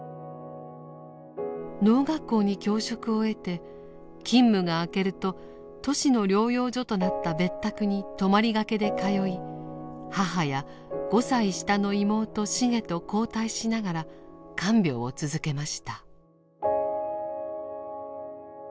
農学校に教職を得て勤務があけるとトシの療養所となった別宅に泊まりがけで通い母や５歳下の妹シゲと交代しながら看病を続けました。